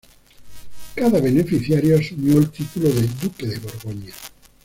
Cada beneficiario asumió el título de duque de Borgoña.